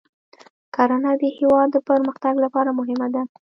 کرنه د هیواد د پرمختګ لپاره مهمه ده.